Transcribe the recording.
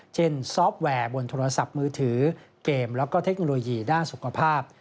ซอฟต์แวร์บนโทรศัพท์มือถือเกมแล้วก็เทคโนโลยีด้านสุขภาพ